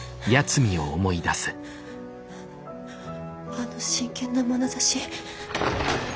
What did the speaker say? あの真剣なまなざし。